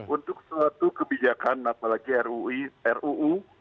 untuk suatu kebijakan apalagi ruu